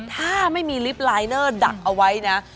ถ้าไม่มีลิฟต์ลายเนอร์ดักเอาไว้นะ